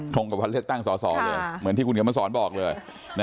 ทรงกับพระเทศตั้งสอสอเลยเหมือนที่คุณกำลังสอนบอกเลย